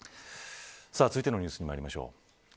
続いてのニュースにまいりましょう。